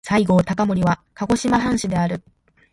西郷隆盛は鹿児島藩士である。